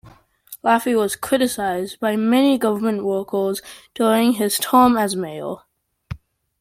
Laffey was criticized by many government workers during his term as mayor.